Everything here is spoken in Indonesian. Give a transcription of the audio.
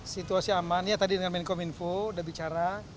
situasi aman ya tadi dengan kemenkominfo sudah bicara